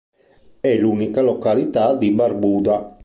È l'unica località di Barbuda.